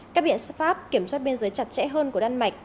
các biện pháp kiểm soát biên giới chặt chẽ hơn của đan mạch